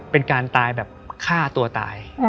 เป็นการตายแบบฆ่าตัวตาย